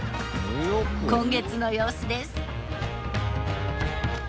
今月の様子です。